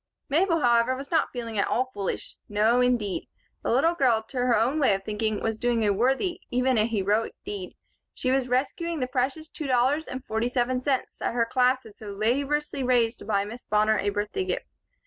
Mabel, however, was not feeling at all foolish. No, indeed. The little girl, to her own way of thinking, was doing a worthy, even a heroic, deed. She was rescuing the precious two dollars and forty seven cents that her class had so laboriously raised to buy Miss Bonner a birthday gift.